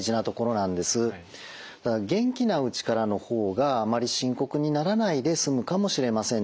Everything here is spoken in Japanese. ただ元気なうちからの方があまり深刻にならないで済むかもしれませんね。